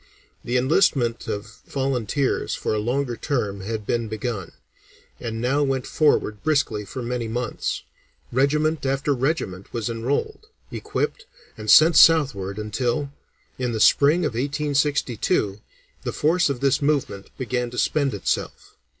The enlistment of volunteers for a longer term had been begun, and now went forward briskly for many months; regiment after regiment was enrolled, equipped, and sent southward, until, in the spring of 1862, the force of this movement began to spend itself.